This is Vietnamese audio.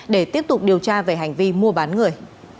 điều tra về hành vi mua bán người